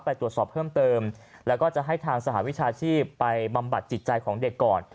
ไปตรวจสอบเพิ่มเติมแล้วก็จะให้ทางสหวิชาชีพไปบำบัดจิตใจของเด็กก่อน